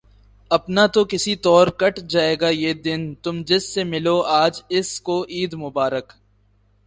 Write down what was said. اپنا تو کسی طور کٹ جائے گا یہ دن، تم جس سے ملو آج اس کو عید مبارک